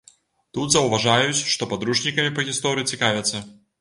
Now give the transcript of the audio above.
Тут заўважаюць, што падручнікамі па гісторыі цікавяцца.